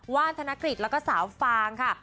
ว่านธนกฤษแล้วก็สาวฟางค่ะ